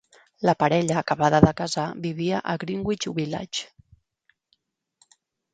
La parella acabada de casar vivia a Greenwich Village.